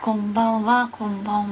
こんばんは。